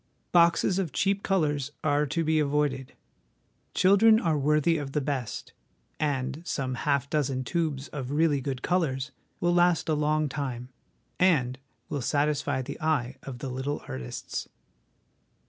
Boxes of cheap colours are to be avoided. Children are worthy of the best, and some half dozen tubes of really good colours will last a long time, and will satisfy the eye of the little artists.